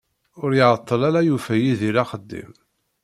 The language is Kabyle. Ur iεeṭṭel ara yufa Yidir axeddim.